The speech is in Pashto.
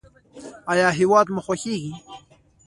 ایا هیواد مو خوښیږي؟